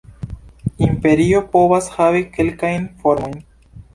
Imperio povas havi kelkajn formojn.